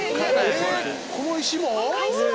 ええっこの石も！？